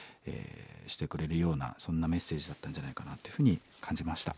してくれるようなそんなメッセージだったんじゃないかなというふうに感じました。